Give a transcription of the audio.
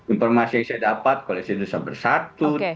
informasi yang saya dapat koalisi indonesia bersatu